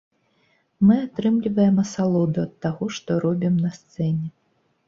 Мы атрымліваем асалоду ад таго, што робім на сцэне.